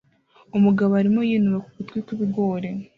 Umugabo arimo yinuba ku gutwi kw'ibigori